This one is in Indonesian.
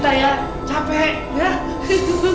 dia bercanda dan oddahin pergi